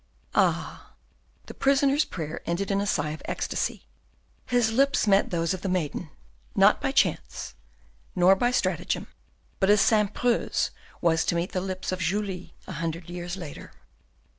Ah!" The prisoner's prayer ended in a sigh of ecstasy; his lips met those of the maiden, not by chance, nor by stratagem, but as Saint Preux's was to meet the lips of Julie a hundred years later.